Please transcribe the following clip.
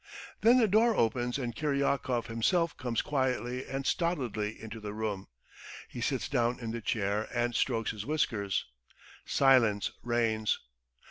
Then the door opens and Kiryakov himself comes quietly and stolidly into the room. He sits down in the chair and strokes his whiskers. Silence reigns.